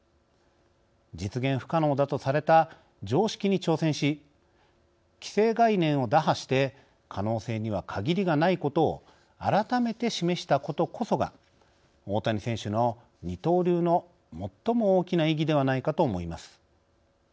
実現不可能だとされた常識に挑戦し既成概念を打破して可能性には限りがないことを改めて示したことこそが大谷選手の二刀流の最も大きな意義ではないかと思います。